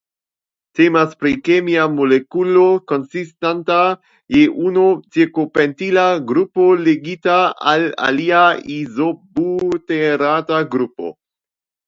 Temas pri kemia molekulo konsistanta je unu ciklopentila grupo ligita al alia izobuterata grupo.